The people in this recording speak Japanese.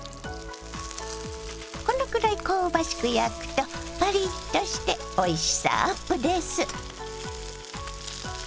このくらい香ばしく焼くとパリッとしておいしさアップです。